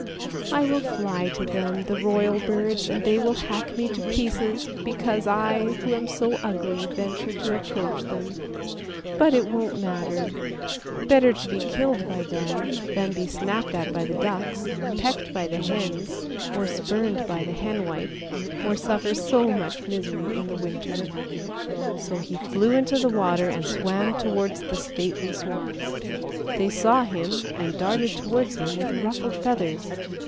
" I will fly to them, the royal birds, and they will hack me to pieces, because I, who am so ugly, venture to approach them! But it won't matter; better be killed by them than be snapped at by the ducks, pecked by the hens, or spurned by the henwife, or suffer so much misery in the winter." So he flew into the water and swam towards the stately swans; they saw him and darted towards him with ruffled feathers.